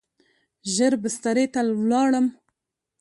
ژر بسترې ته ولاړم.